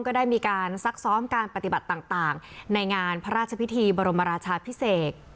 ก็ได้มีการซักซ้อมการปฏิบัติต่างในงานพระราชพิธีบรมราชาพิเศษ